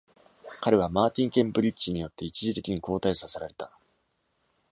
彼は、マーティンケンブリッジによって一時的に交替させられた。